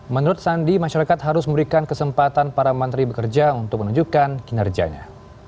menurut sandi masyarakat harus memberikan kesempatan para menteri bekerja untuk menunjukkan kinerjanya